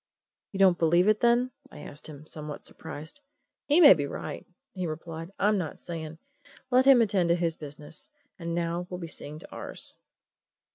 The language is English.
"You don't believe it, then?" I asked him, somewhat surprised. "He may be right," he replied. "I'm not saying. Let him attend to his business and now we'll be seeing to ours."